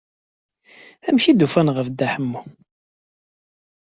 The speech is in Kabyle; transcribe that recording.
Amek i d-ufan ɣef Dda Ḥemmu?